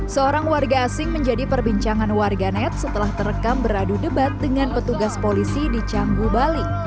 seorang warga asing menjadi perbincangan warganet setelah terekam beradu debat dengan petugas polisi di canggu bali